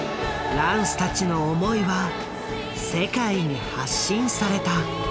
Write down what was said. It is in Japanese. ランスたちの思いは世界に発信された。